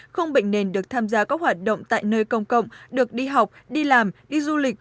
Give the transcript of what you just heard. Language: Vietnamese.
không bệnh nền được tham gia các hoạt động tại nơi công cộng được đi học đi làm đi du lịch